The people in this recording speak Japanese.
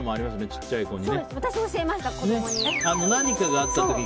小さい子に。